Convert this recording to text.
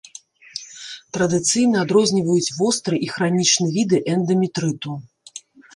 Традыцыйна адрозніваюць востры і хранічны віды эндаметрыту.